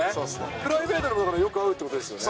プライベートでよく会うってことですよね。